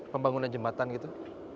pembangunan jembatan gitu